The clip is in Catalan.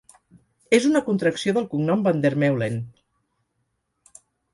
És una contracció del cognom Van der Meulen.